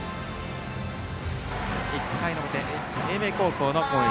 １回の表、英明高校の攻撃。